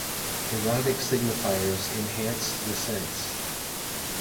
Erotic signifiers enhance the scene.